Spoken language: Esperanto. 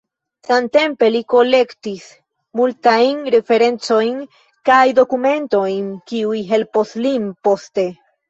Samtempe li kolektis multajn referencojn kaj dokumentojn, kiuj helpos lin poste.